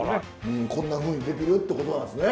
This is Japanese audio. こんなふうにできるってことなんですね。